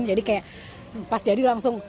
jadi kayak pas jadi langsung